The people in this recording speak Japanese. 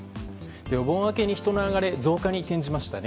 お盆明けに人の流れ増加に転じましたね。